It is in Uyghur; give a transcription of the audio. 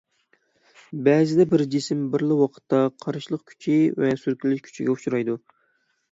بەزىدە بىر جىسىم بىرلا ۋاقىتتا قارشىلىق كۈچى ۋە سۈركىلىش كۈچىگە ئۇچرايدۇ.